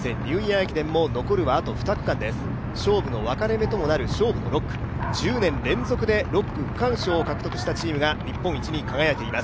勝負の分かれ目ともなる勝負の６区１０年連続で６区区間賞を獲得したチームが日本一に輝いています。